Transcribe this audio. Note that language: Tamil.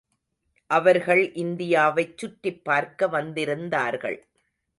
அவர்கள் இந்தியாவைச் சுற்றிப் பார்க்க வந்திருந்தார்கள்.